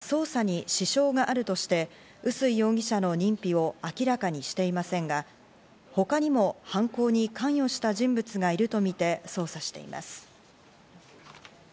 警察は捜査に支障があるとして臼井容疑者の認否を明らかにしていませんが、他にも犯行に関与した人物がいるとみて捜査しています。